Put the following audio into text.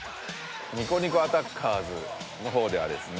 ニコニコアタッカーズのほうではですね